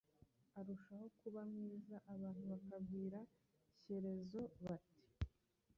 arushaho kuba mwiza. Abantu bakabwira Shyerezo bati :"